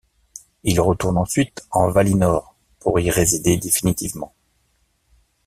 Ils retournent ensuite en Valinor pour y résider définitivement.